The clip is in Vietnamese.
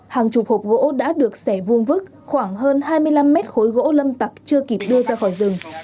hàng chục hộp gỗ đã được xẻ vuông vứt khoảng hơn hai mươi năm mét khối gỗ lâm tặc chưa kịp đưa ra khỏi rừng